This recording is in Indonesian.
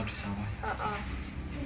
oh di sawah